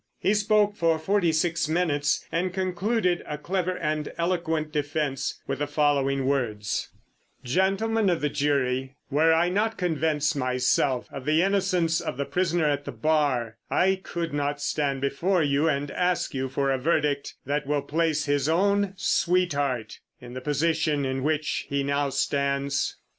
He spoke for forty six minutes, and concluded a clever and eloquent defence with the following words: "Gentlemen of the jury, were I not convinced myself of the innocence of the prisoner at the bar, I could not stand before you and ask you for a verdict that will place his own sweetheart in the position in which he now stands.